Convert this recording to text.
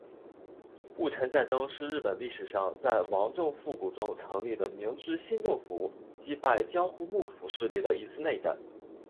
戊辰战争是日本历史上在王政复古中成立的明治新政府击败江户幕府势力的一次内战。